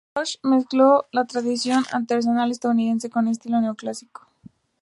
Rush mezcló la tradición artesanal estadounidense con el estilo neoclásico.